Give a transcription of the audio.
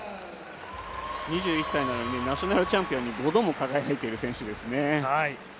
２１歳なのにナショナルチャンピオンに５度も輝いている選手です。